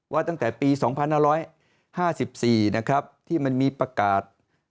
ว่าตั้งแต่ปี๒๕๕๔ที่มันมีประกาศ